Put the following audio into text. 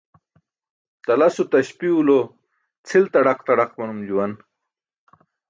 Talaso taśpi̇w lo cʰil tadaq tadaq maum juwan.